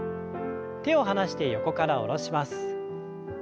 手を離して横から下ろします。